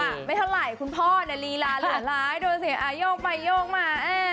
ผู้สาวอ่ะไม่เท่าไหร่คุณพ่อนะลีลาหลายดูสิยกไปยกมา